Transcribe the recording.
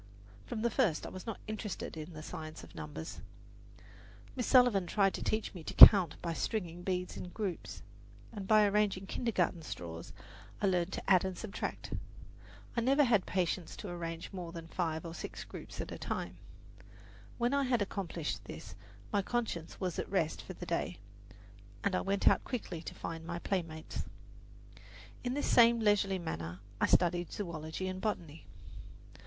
From the first I was not interested in the science of numbers. Miss Sullivan tried to teach me to count by stringing beads in groups, and by arranging kintergarten straws I learned to add and subtract. I never had patience to arrange more than five or six groups at a time. When I had accomplished this my conscience was at rest for the day, and I went out quickly to find my playmates. In this same leisurely manner I studied zoology and botany.